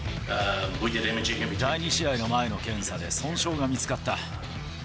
第２試合の前の検査で損傷が見つかった。